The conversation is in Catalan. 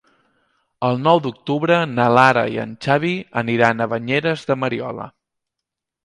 El nou d'octubre na Lara i en Xavi aniran a Banyeres de Mariola.